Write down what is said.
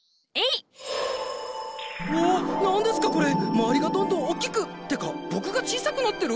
周りがどんどん大きくってか僕が小さくなってる？